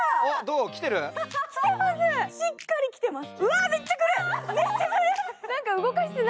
しっかりキテます。